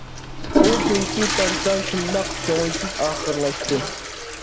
ئۇ كۈنكى تانسا شۇنداق كۆڭۈلسىز ئاخىرلاشتى.